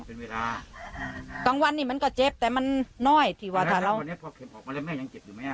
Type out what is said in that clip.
เป็นเวลาตั้งวันนี่มันก็เจ็บแต่มันน่อยถีวธรรมวันนี้พอเข็มออกมาแล้ว